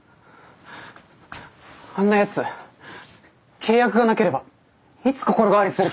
あんなやつ契約がなければいつ心変わりするか。